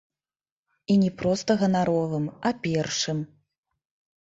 І не проста ганаровым, а першым.